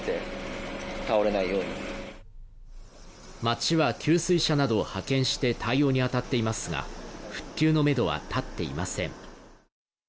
町は給水車などを派遣して対応に当たっていますが、復旧のめどは立っていません。